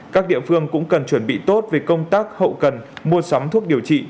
các địa phương cũng cần chuẩn bị tốt về công tác hậu cần mua sắm thuốc điều trị